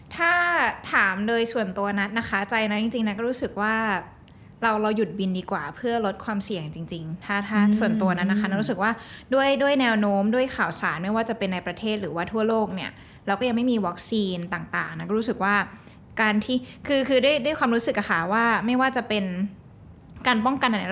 ถ้าถามโดยส่วนตัวนัทนะคะใจนั้นจริงนัทก็รู้สึกว่าเราหยุดบินดีกว่าเพื่อลดความเสี่ยงจริงถ้าส่วนตัวนั้นนะคะนัทรู้สึกว่าด้วยแนวโน้มด้วยข่าวสารไม่ว่าจะเป็นในประเทศหรือว่าทั่วโลกเนี่ยเราก็ยังไม่มีวัคซีนต่างนัทก็รู้สึกว่าการที่คือด้วยความรู้สึกอะค่ะว่าไม่ว่าจะเป็นการป้องกันอะไร